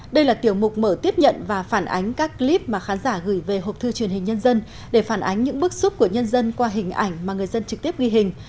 đây là tiểu mục mở tiếp nhận và phản ánh các clip mà khán giả gửi về học thư truyền hình nhân dân để phản ánh những bức xúc của nhân dân qua hình ảnh mà người dân trực tiếp ghi hình